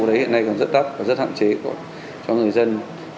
đấy hiện nay còn rất đắt và rất hạn chế cho người dân